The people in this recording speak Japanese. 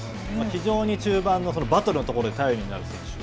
非常に中盤のバトルのところで頼りになる選手。